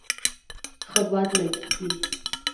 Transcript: ښه باد لږیږی